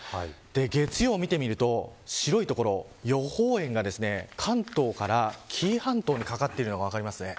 月曜を見てみると白い所、予報円が関東から紀伊半島にかかっているのが分かります。